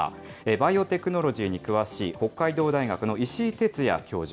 バイオテクノロジーに詳しい、北海道大学の石井哲也教授。